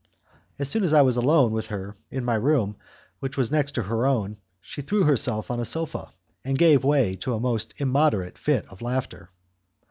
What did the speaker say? As soon as I was alone with her in my room, which was next to her own she threw herself on a sofa, and gave way to a most immoderate fit of laughter.